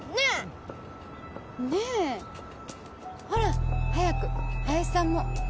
ほら早く林さんも。